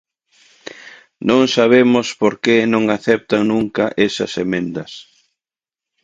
Non sabemos por que non aceptan nunca esas emendas.